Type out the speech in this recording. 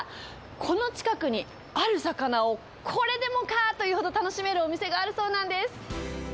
この近くに、ある魚をこれでもかというほど楽しめるお店があるそうなんです。